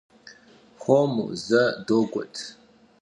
Хуэму, зэ догуэт!